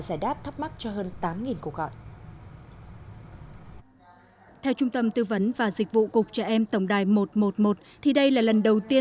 giải đáp thắc mắc cho hơn tám cổ gọi theo trung tâm tư vấn và dịch vụ cục trẻ em tổng đài một trăm một mươi một